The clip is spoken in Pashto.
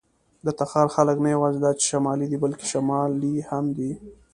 د تخار خلک نه یواځې دا چې شمالي دي، بلکې شمالي هم دي.